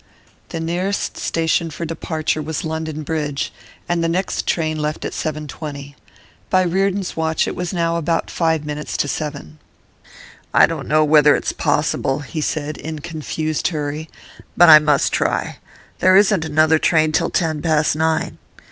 The nearest station for departure was London Bridge, and the next train left at 7.20. By Reardon's watch it was now about five minutes to seven. 'I don't know whether it's possible,' he said, in confused hurry, 'but I must try. There isn't another train till ten past nine.